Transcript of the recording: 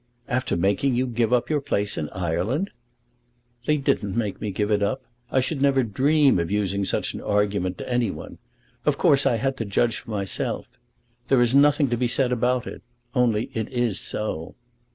"After making you give up your place in Ireland?" "They didn't make me give it up. I should never dream of using such an argument to any one. Of course I had to judge for myself. There is nothing to be said about it; only it is so."